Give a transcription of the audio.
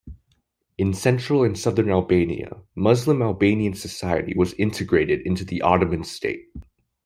In central and southern Albania, Muslim Albanian society was integrated into the Ottoman state.